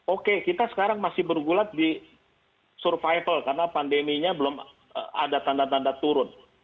oke kita sekarang masih bergulat di survival karena pandeminya belum ada tanda tanda turun